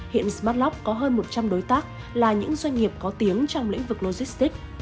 hiện smartlock có hơn một trăm linh đối tác là những doanh nghiệp có tiếng trong lĩnh vực logistics